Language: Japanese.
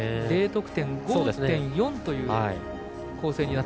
Ｄ得点５．４という構成。